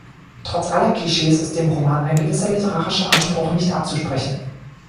Trotz aller Klischees ist dem Roman ein gewisser literarischer Anspruch nicht abzusprechen.